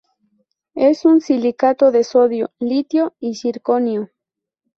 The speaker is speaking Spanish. Es un silicato de sodio, litio y circonio.